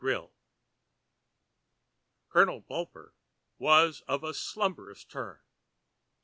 Colonel Bulper was of a slumberous turn.